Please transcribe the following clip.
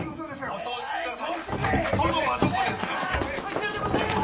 お通しください！殿！